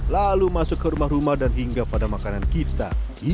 lalu masuk ke rumah rumah dan hingga pada makanan kita